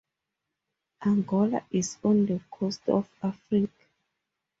Angola is on the coast of Africa.